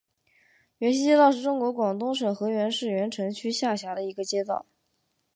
源西街道是中国广东省河源市源城区下辖的一个街道。